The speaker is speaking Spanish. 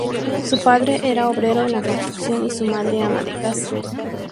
Su padre era obrero en la construcción y su madre ama de casa.